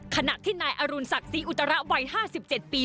ขณะที่นายอรุณศักดิ์ศรีอุตระวัย๕๗ปี